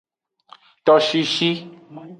Toshishi.